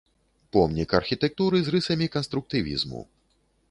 Помнік архітэктуры з рысамі канструктывізму.